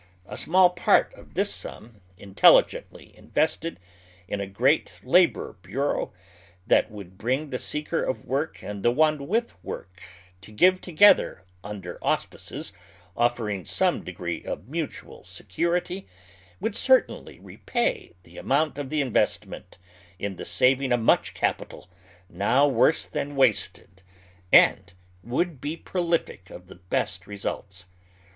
A small part of this snm in telligently invested in a great labor bureau, that woidd bring the seeker of work and the one with woi'k to give together under auspices offering some degree of mntnal security, would certainly repay the amount of the invest ment in the saving of much capital now worse than wasted, and would be prolific of the best results.